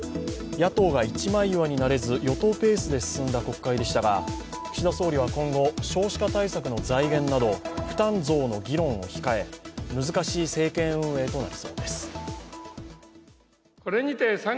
野党が一枚岩になれず与党ペースで進んだ国会でしたが岸田総理は今後、少子化対策の財源など負担増の議論を控え、難しい政権運営となりそうです。